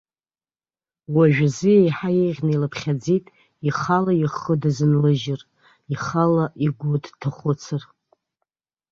Уажәазы еиҳа еиӷьны илыԥхьаӡеит ихала ихы дазынлыжьыр, ихала игәы дҭахәыцыр.